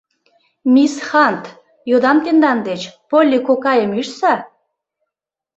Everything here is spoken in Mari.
— Мисс Хант, йодам тендан деч, Полли кокайым ӱжса!